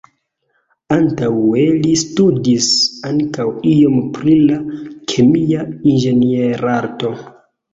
Antaŭe, li studis ankaŭ iom pri la Kemia Inĝenierarto.